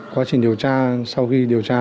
quá trình điều tra sau khi điều tra